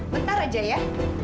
bentar aja ya